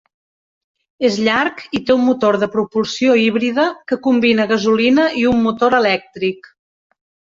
És llarg i té un motor de propulsió híbrida que combina gasolina i un motor elèctric.